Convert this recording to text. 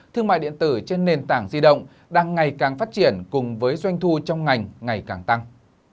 thương mại điện tử trên nền tảng di động đang ngày càng phát triển cùng với doanh thu trong ngành ngày càng tăng